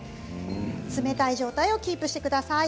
冷たい状態をキープしてください。